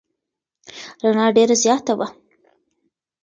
رڼا ډېره زیاته وه.